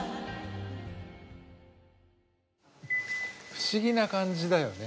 不思議な感じだよね。